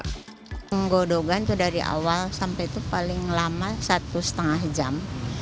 penggodokan itu dari awal sampai itu paling lama satu lima jam